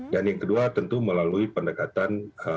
dan yang kedua tentu melalui pendekatan